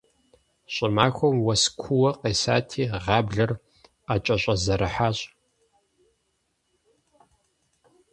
ЩӀымахуэм уэс куу къесати, гъаблэр къакӀэщӀэзэрыхьащ.